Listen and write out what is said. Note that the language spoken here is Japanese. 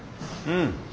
うん。